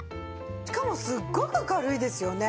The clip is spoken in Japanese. しかもすっごく軽いですよね。